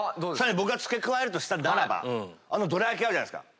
僕が付け加えるとしたならばどら焼きあるじゃないですか。